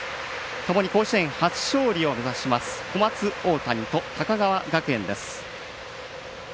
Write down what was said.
ともに甲子園初勝利を目指す小松大谷と高川学園です。